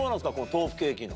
豆腐ケーキの。